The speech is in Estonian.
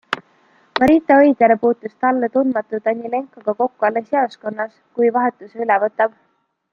Marite Oidjärv puutus talle tundmatu Danilenkoga kokku alles jaoskonnas, kui vahetuse üle võtab.